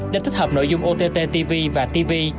để thích hợp nội dung ott tv và tv